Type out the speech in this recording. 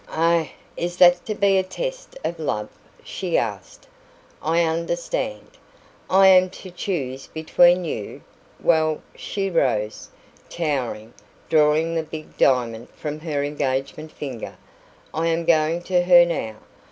"Ah, is that to be a test of love?" she asked. "I understand. I am to choose between you. Well" she rose, towering, drawing the big diamond from her engagement finger "I am going to her now.